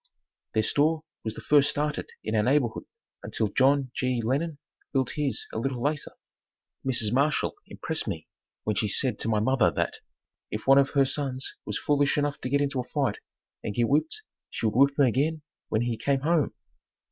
Their store was the first started in our neighborhood until John G. Lennon built his a little later. Mrs. Marshall impressed me when she said to my mother that "If one of her sons was foolish enough to get into a fight and get whipped she would whip him again when he came home."